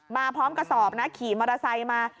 มาพร้อมกระสอบนะขี่มอเตอร์ไซค์มา